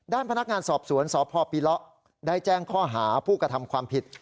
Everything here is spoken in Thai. ด้านพนักงานสอบสวนสพปิเลาะได้แจ้งข้อหาผู้กระทำความผิด